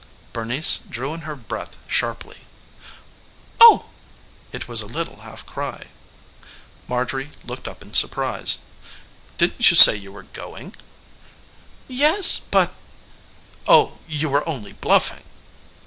Bernice drew in her breath sharply. "Oh!" It was a little half cry. Marjorie looked up in surprise. "Didn't you say you were going?" "Yes, but " "Oh, you were only bluffing!"